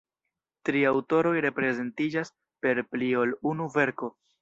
Tri aŭtoroj reprezentiĝas per pli ol unu verko.